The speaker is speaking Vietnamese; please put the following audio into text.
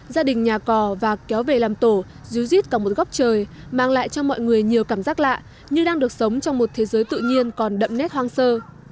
gia đình nhà cò và kéo về làm tổ dưới cả một góc trời mang lại cho mọi người nhiều cảm giác lạ như đang được sống trong một thế giới tự nhiên còn đậm nét hoang sơ